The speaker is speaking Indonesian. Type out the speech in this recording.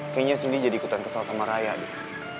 kayaknya sini jadi ikutan kesal sama raya deh